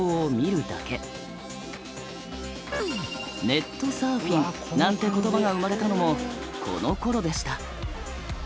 「ネットサーフィン」なんて言葉が生まれたのもこのころでした。